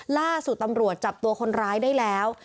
ล่าสุดตำรวจจับตัวคนร้ายได้แล้ว